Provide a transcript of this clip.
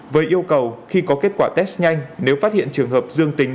với yêu cầu khi có kết quả test nhanh nếu phát hiện trường hợp dương tính